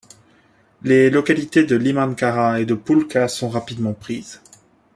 Les localités de Limankara et de Pulka sont rapidement prises.